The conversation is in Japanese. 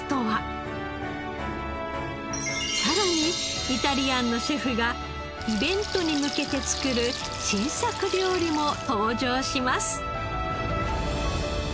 さらにイタリアンのシェフがイベントに向けて作る新作料理も登場します。